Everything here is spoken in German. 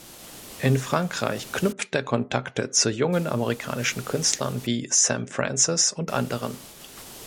In Frankreich knüpft er Kontakte zu jungen amerikanischen Künstlern wie Sam Francis und anderen.